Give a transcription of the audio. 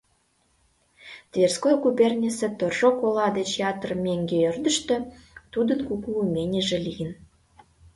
Тверской губернийысе Торжок ола деч ятыр меҥге ӧрдыжтӧ тудын кугу именийже лийын.